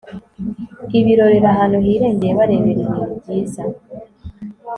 ibirorero ahantu hirengeye, barebera ibintu byiza